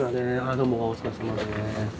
どうもお疲れさまです。